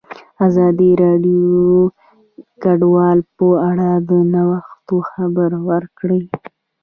ازادي راډیو د کډوال په اړه د نوښتونو خبر ورکړی.